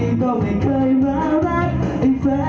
หยุดมีท่าหยุดมีท่า